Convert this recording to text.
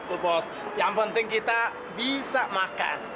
itu bos yang penting kita bisa makan